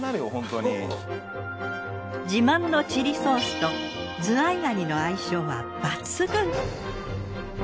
自慢のチリソースとズワイガニの相性は抜群。